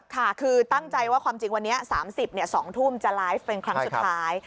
ค่ะคือตั้งใจว่าความจริงวันนี้๓๐๒ทุ่มจะไลฟ์เป็นครั้งสุดท้าย